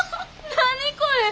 何これ！